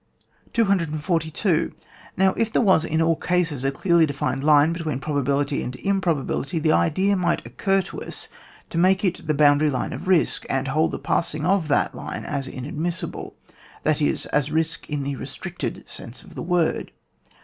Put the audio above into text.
242. Now, if there was in all cases a clearly defined line between probability and improbability, the idea might occur to us to make it the boundary line of risk, and hold the passing of that line as in admissible, that iSt as risk in the re stricted sense of the word.